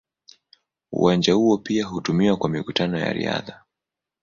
Uwanja huo pia hutumiwa kwa mikutano ya riadha.